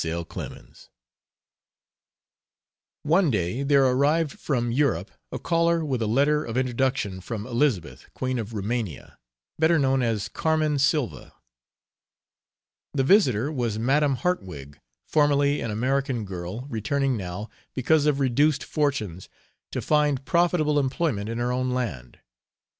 L. CLEMENS. One day there arrived from Europe a caller with a letter of introduction from Elizabeth, Queen of Rumania, better known as Carmen Sylva. The visitor was Madam Hartwig, formerly an American girl, returning now, because of reduced fortunes, to find profitable employment in her own land.